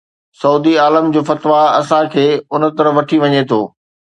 سعودي عالم جو فتويٰ اسان کي ان طرف وٺي وڃي ٿو.